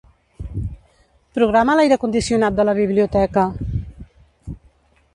Programa l'aire condicionat de la biblioteca.